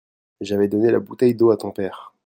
J'avais donné la bouteille d'eau à ton père.